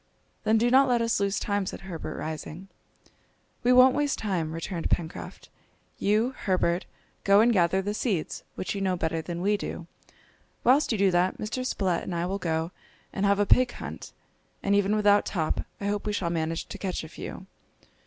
"Then do not let us lose time," said Herbert, rising. "We won't waste time," returned Pencroft. "You, Herbert, go and gather the seeds, which you know better than we do. Whilst you do that, Mr. Spilett and I will go and have a pig hunt, and even without Top I hope we shall manage to catch a few!"